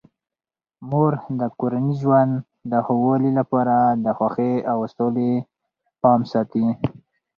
مور د کورني ژوند د ښه والي لپاره د خوښۍ او سولې پام ساتي.